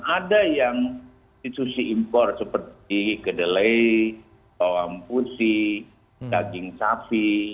ada yang institusi impor seperti kedelai toam pusi daging safi